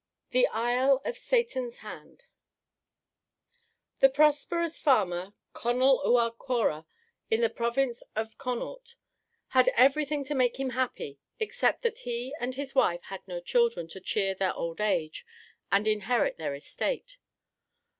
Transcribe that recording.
XIV THE ISLE OF SATAN'S HAND The prosperous farmer Conall Ua Corra in the province of Connaught had everything to make him happy except that he and his wife had no children to cheer their old age and inherit their estate.